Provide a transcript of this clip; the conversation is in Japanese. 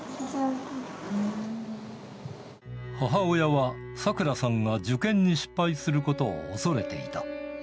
母親は、サクラさんが受験に失敗することを恐れていた。